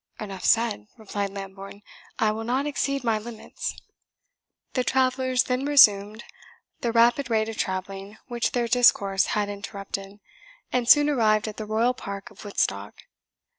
"Enough said," replied Lambourne; "I will not exceed my limits." The travellers then resumed the rapid rate of travelling which their discourse had interrupted, and soon arrived at the Royal Park of Woodstock.